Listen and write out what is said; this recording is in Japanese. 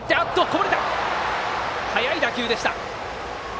速い打球でした。